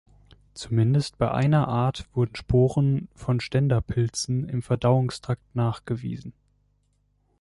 Zumindest bei einer Art wurden Sporen von Ständerpilze im Verdauungstrakt nachgewiesen.